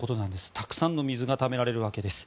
たくさんの水がためられるわけです。